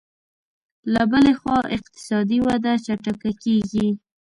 له بلې خوا اقتصادي وده چټکه کېږي